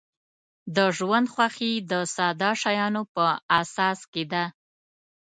د ژوند خوښي د ساده شیانو په احساس کې ده.